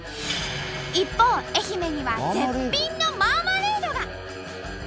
一方愛媛には絶品のマーマレードが！